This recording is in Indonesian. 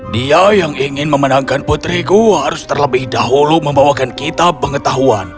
dia yang ingin memenangkan putriku harus terlebih dahulu membawakan kita pengetahuan